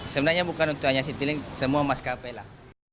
sebenarnya bukan untuk hanya citylink semua maskapai lah